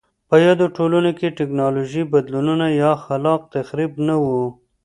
په یادو ټولنو کې ټکنالوژیکي بدلونونه یا خلاق تخریب نه و